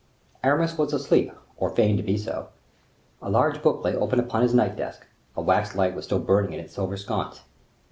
Aramis was asleep or feigned to be so. A large book lay open upon his night desk, a wax light was still burning in its silver sconce.